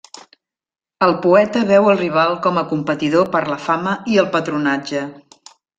El poeta veu el rival com a competidor per la fama i el patronatge.